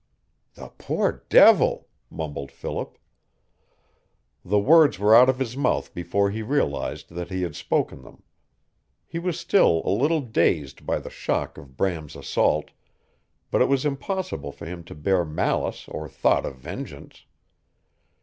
"The poor devil!" mumbled Philip. The words were out of his mouth before he realized that he had spoken them. He was still a little dazed by the shock of Bram's assault, but it was impossible for him to bear malice or thought of vengeance.